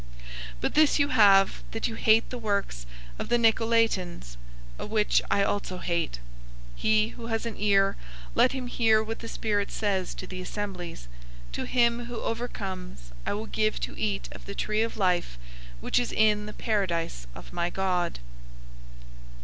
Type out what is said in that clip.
002:006 But this you have, that you hate the works of the Nicolaitans, which I also hate. 002:007 He who has an ear, let him hear what the Spirit says to the assemblies. To him who overcomes I will give to eat of the tree of life, which is in the Paradise of my God.